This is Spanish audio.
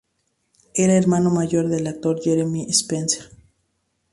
Era el hermano mayor del actor Jeremy Spenser.